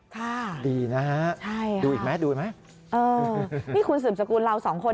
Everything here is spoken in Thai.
ค่ะใช่ค่ะดูอีกไหมดูอีกไหมนี่คุณสูตรสกุลเราสองคน